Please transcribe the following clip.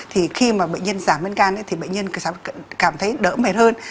thì khi mà bệnh nhân giảm men gan thì bệnh nhân cảm thấy đỡ mệt hơn